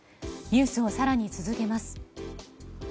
ニュースを更に続けます。